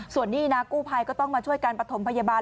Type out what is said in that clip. ส่วนนี้นะกู้ภัยก็ต้องมาช่วยการประถมพยาบาล